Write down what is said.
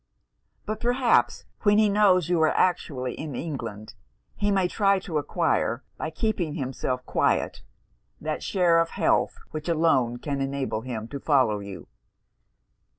But perhaps when he knows you are actually in England, he may try to acquire, by keeping himself quiet, that share of health which alone can enable him to follow you.'